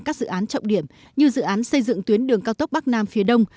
các dự án trọng điểm như dự án xây dựng tuyến đường cao tốc bắc nam phía đông